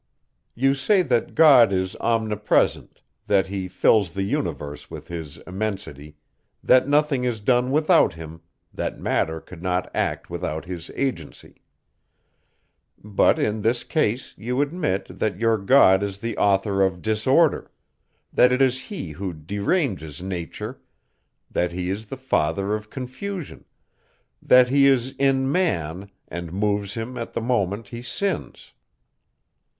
You say, that God is omnipresent, that he fills the universe with his immensity, that nothing is done without him, that matter could not act without his agency. But in this case, you admit, that your God is the author of disorder, that it is he who deranges nature, that he is the father of confusion, that he is in man, and moves him at the moment he sins.